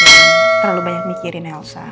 gak usah terlalu banyak mikirin elsa